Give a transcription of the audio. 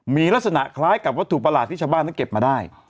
มีลักษณะคล้ายกับวัตถุประหลาดที่ชาวบ้านนั้นเก็บมาได้